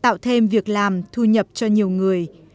tạo thêm việc làm thu nhập cho nhiều người